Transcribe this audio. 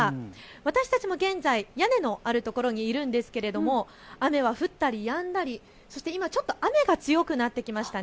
私たちも現在、屋根のあるところにいるんですけれども雨は降ったりやんだり、そして今、ちょっと雨が強くなってきました。